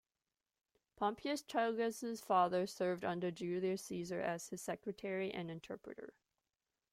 Pompeius Trogus's father served under Julius Caesar as his secretary and interpreter.